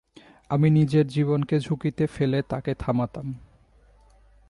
আমি নিজের জীবনকে ঝুঁকিতে ফেলে তাকে থামাতাম।